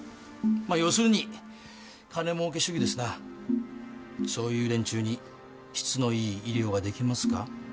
まあ要するに金もうけ主義ですなそういう連中に質のいい医療ができますか？